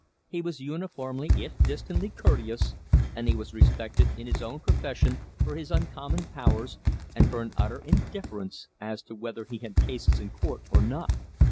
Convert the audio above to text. He was uniformly if distantly courteous, and he was respected in his own profession for his uncommon powers and for an utter indifference as to whether he had cases in court or not.